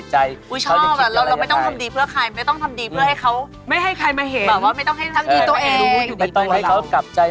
ช่วยเขาแพ้เป็นตาอะไร